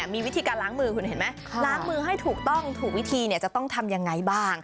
มีวิธีการล้างมือคุณเห็นไหมล้างมือให้ถูกต้องถูกวิธีจะต้องทำยังไงบ้าง